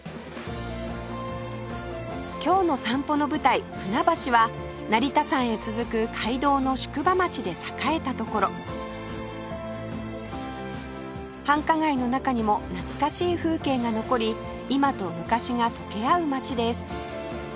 今日の散歩の舞台船橋は成田山へ続く街道の宿場町で栄えた所繁華街の中にも懐かしい風景が残り今と昔が溶け合う街です